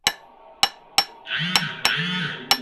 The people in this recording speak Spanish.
Aumenta la velocidad de la nave en un nivel.